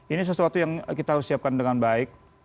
ini sesuatu yang kita harus siapkan dengan baik